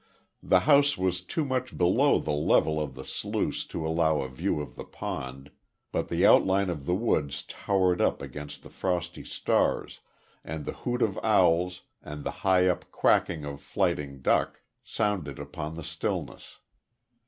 The house was too much below the level of the sluice to allow a view of the pond, but the outline of the woods towered up against the frosty stars, and the hoot of owls and the high up quacking of flighting duck, sounded upon the stillness.